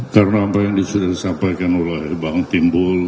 karena apa yang disampaikan oleh bang timbul